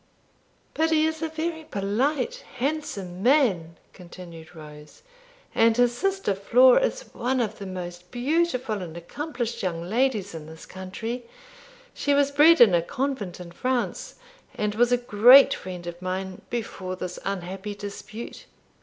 'But he is a very polite, handsome man,' continued Rose; 'and his sister Flora is one of the most beautiful and accomplished young ladies in this country; she was bred in a convent in France, and was a great friend of mine before this unhappy dispute.